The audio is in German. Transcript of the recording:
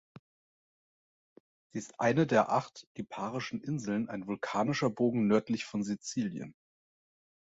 Sie ist eine der acht Liparischen Inseln, ein vulkanischer Bogen nördlich von Sizilien.